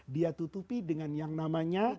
dia tutupi dengan yang namanya